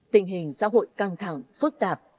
tình hình xã hội căng thẳng phức tạp